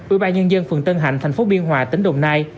ủy ban nhân dân phường tân hạnh thành phố biên hòa tỉnh đồng nai